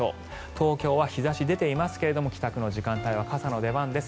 東京は日差し出ていますが帰宅の時間帯は傘の出番です。